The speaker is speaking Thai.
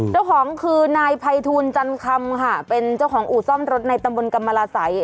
เจ้าของคือนายภัยทูลจันคำค่ะเป็นเจ้าของอู่ซ่อมรถในตำบลกรรมราศัย